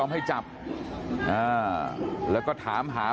สวัสดีครับคุณผู้ชาย